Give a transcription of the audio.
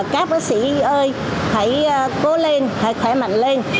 các bác sĩ ơi hãy cố lên hãy khỏe mạnh lên